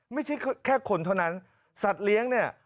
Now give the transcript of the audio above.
ไม่ใช่แค่คนเท่านั้นสัตว์เลี้ยงเนี่ย